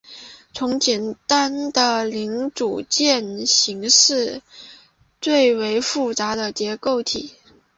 从简单的零组件型式最为复杂的结构体。